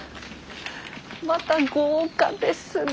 また豪華ですね。